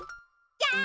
じゃん！